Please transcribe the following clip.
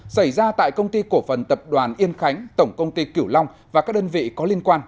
xảy ra tại công ty cổ phần tập đoàn yên khánh tổng công ty kiểu long và các đơn vị có liên quan